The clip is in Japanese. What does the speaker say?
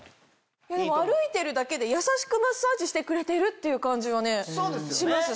歩いてるだけでやさしくマッサージしてくれてるっていう感じがします